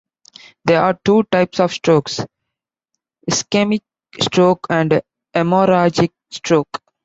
There are two types of strokes: ischemic stroke and hemorrhagic stroke.